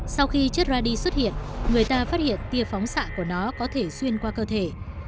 sau khi chất radi xuất hiện người ta phát hiện tia phóng xạ của nó có thể xuyên qua cơ thể